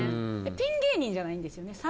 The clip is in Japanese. ピン芸人じゃないんですよね。